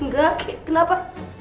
gak ki kenapa